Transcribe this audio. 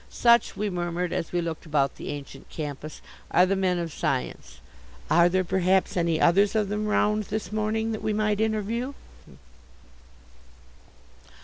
"Such," we murmured, as we looked about the ancient campus, "are the men of science: are there, perhaps, any others of them round this morning that we might interview?"